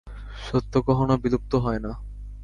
সত্য কখনও বিলুপ্ত হয় না।